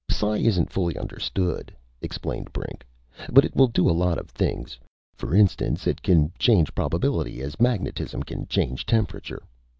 "Psi still isn't fully understood," explained Brink, "but it will do a lot of things. For instance, it can change probability as magnetism can change temperature.